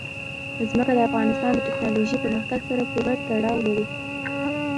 ځمکه د افغانستان د تکنالوژۍ پرمختګ سره پوره تړاو لري.